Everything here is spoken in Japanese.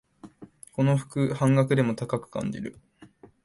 この服、半額でも高く感じる